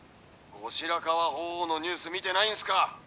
「後白河法皇のニュース見てないんすか？